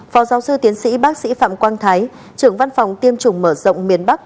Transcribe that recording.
phó giáo sư tiến sĩ bác sĩ phạm quang thái trưởng văn phòng tiêm chủng mở rộng miền bắc